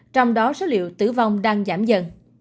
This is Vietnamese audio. trong đó số liệu tử vong đang giảm dần